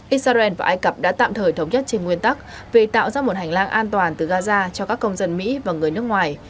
israel và ai cập đã tạm thời thống nhất trên nguyên tắc về tạo ra một hành lang an toàn từ gaza cho các công dân mỹ và người nước ngoài